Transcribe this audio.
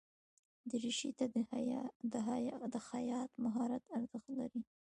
دریشي ته د خیاط مهارت ارزښت لري.